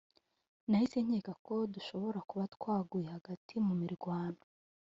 nahise nkeka ko dushobora kuba twaguye hagati mu mirwano